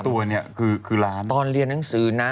ตัวเนี่ยคือร้านตอนเรียนหนังสือนะ